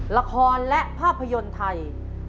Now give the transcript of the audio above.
ละครและภาพยนตร์ไทย